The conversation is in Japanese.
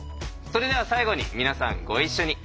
それでは最後に皆さんご一緒に。